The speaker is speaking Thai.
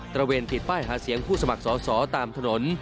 ระเวนผิดป้ายหาเสียงผู้สมัครสอสอตามถนน